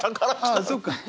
ああそっかあ。